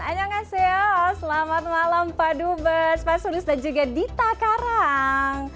annyeonghaseyo selamat malam pak dubes pak sulist dan juga dita karang